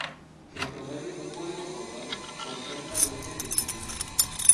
En promedio, un código postal concentra veinte direcciones.